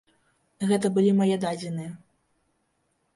Гэта былі мае дадзеныя.